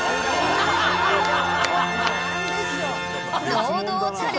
［堂々たる］